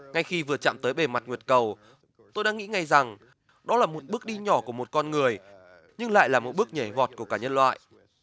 ngay khi vừa chạm tới bề mặt nguyệt cầu tôi đang nghĩ ngay rằng đó là một bước đi nhỏ của một con người nhưng lại là một bước nhảy vọt của cả nhân loại